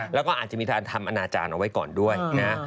แล้วก็อาจจะมีการทำอนาจารย์เอาไว้ก่อนด้วยนะ